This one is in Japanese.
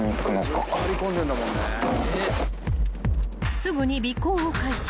［すぐに尾行を開始］